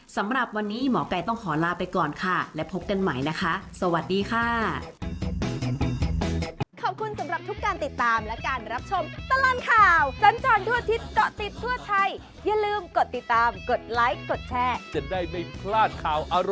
สำหรับวันนี้หมอไก่ต้องขอลาไปก่อนค่ะและพบกันใหม่นะคะสวัสดีค่ะ